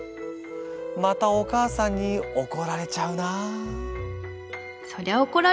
またお母さんに怒られちゃうな」。